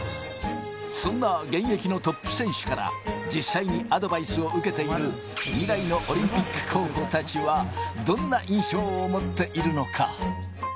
そんな現役のトップ選手から、実際にアドバイスを受けている、未来のオリンピック候補たちは、どんな印象を持っているのか。